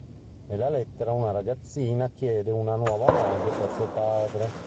Nella lettera una ragazzina chiede una nuova moglie per suo padre.